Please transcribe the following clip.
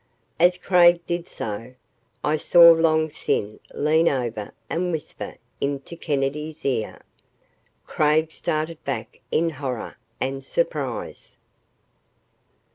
As Craig did so, I saw Long Sin lean over and whisper into Kennedy's ear. Craig started back in horror and surprise.